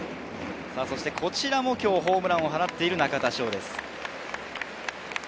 こちらも今日ホームランを放っている中田翔です。